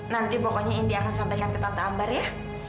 nanti pokoknya india akan sampaikan ke tante ambar ya